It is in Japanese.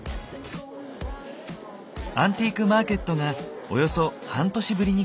アンティークマーケットがおよそ半年ぶりに開催されていた。